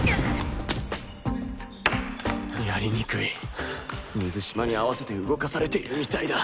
やりにくい水嶋に合わせて動かされているみたいだ